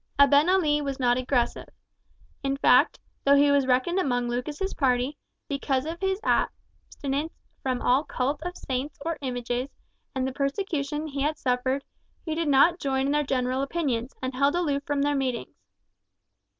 Abenali was not aggressive. In fact, though he was reckoned among Lucas's party, because of his abstinence from all cult of saints or images, and the persecution he had suffered, he did not join in their general opinions, and held aloof from their meetings.